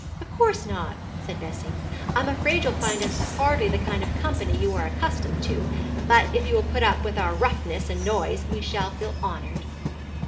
'Of course not,' said Bessie. 'I'm afraid you'll find us hardly the kind of company you are accustomed to; but if you will put up with our roughness and noise we shall feel honoured.'